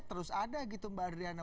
terus ada gitu mbak adriana